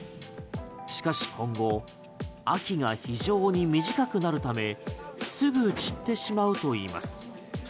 しかし今後秋が非常に短くなるためすぐ散ってしまうといいます。